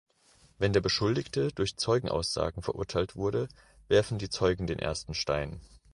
Wenn der Beschuldigte durch Zeugenaussagen verurteilt wurde, werfen die Zeugen den ersten Stein.